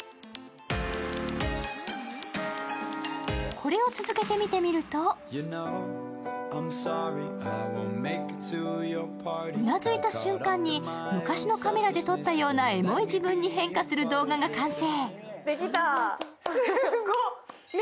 これを続けてみてみるとうなずいた瞬間に昔のカメラで撮ったようなエモい自分に変化する動画が完成。